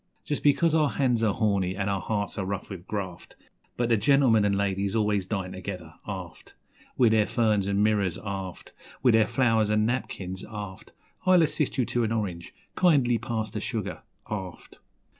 Just because our hands are horny an' our hearts are rough with graft But the gentlemen and ladies always DINE together, aft With their ferns an' mirrors, aft, With their flow'rs an' napkins, aft 'I'll assist you to an orange' 'Kindly pass the sugar', aft.